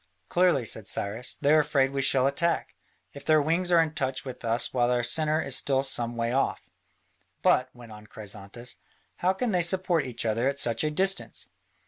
"Clearly," said Cyrus, "they are afraid we shall attack, if their wings are in touch with us while their centre is still some way off." "But," went on Chrysantas, "how can they support each other at such a distance?"